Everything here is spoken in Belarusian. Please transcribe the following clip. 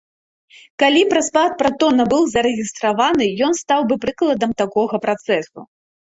Калі б распад пратона быў зарэгістраваны, ён стаў бы прыкладам такога працэсу.